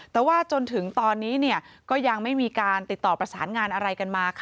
แต่ว่าจนถึงตอนนี้ก็ยังไม่มีการติดต่อประสานงานอะไรกันมา